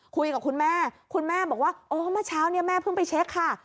คุยกับคุณแม่คุณแม่บอกว่าอ๋อเมื่อเช้าเนี่ยแม่เพิ่งไปเช็คค่ะ